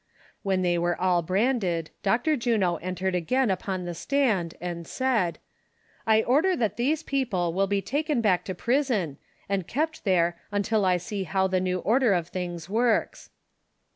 When tliey were all branded, Dr. Juno entered again upon tlie stand, and said :" I order that these people will be taken back to prison, and kept there until I see how the new order of things works."